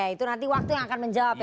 itu nanti waktu yang akan menjawab ya